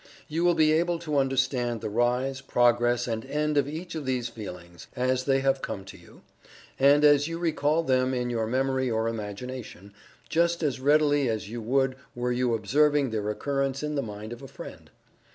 You will be able to understand the rise, progress and end of each of these feelings, as they have come to you, and as you recall them in your memory or imagination, just as readily as you would were you observing their occurrence in the mind of a friend.